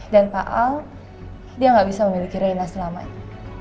dan pak al dia gak bisa memiliki reina selamanya